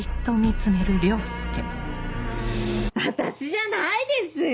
私じゃないですよ。